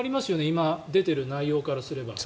今、出ている内容からすれば。